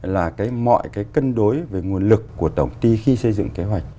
là cái mọi cái cân đối về nguồn lực của tổng ty khi xây dựng kế hoạch